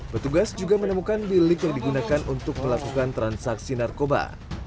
petugas juga menemukan bilik yang digunakan untuk melakukan transaksi narkoba